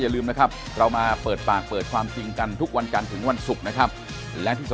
เราก็ไม่ได้อยากอยู่แล้ว